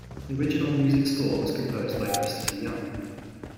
The original music score was composed by Christopher Young.